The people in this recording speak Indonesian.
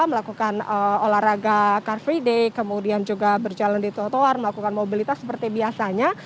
melakukan olahraga car free day kemudian juga berjalan di trotoar melakukan mobilitas seperti biasanya